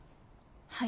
はい。